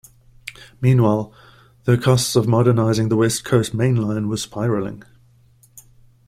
Meanwhile, the costs of modernising the West Coast Main Line were spiralling.